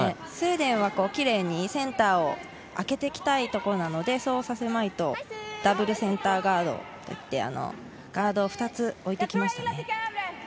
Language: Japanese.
スウェーデンはキレイにセンターをあけていきたいところなのでそうさせまいとダブルセンターガードをとってガードを２つ置いてきましたね。